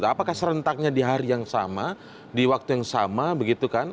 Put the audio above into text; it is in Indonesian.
apakah serentaknya di hari yang sama di waktu yang sama begitu kan